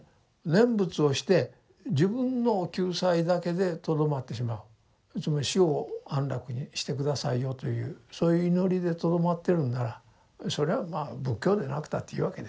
念仏をして自分の救済だけでとどまってしまうつまり「死後を安楽にして下さいよ」というそういう祈りでとどまってるんならそれはまあ仏教でなくたっていいわけですよ。